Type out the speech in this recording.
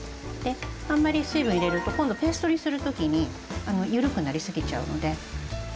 あんまり水分入れると今度ペーストにする時にゆるくなりすぎちゃうので。